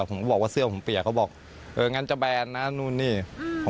ผมก็บอกว่าเสื้อผมเปียกเขาบอกเอองั้นจะแบนนะนู่นนี่อืม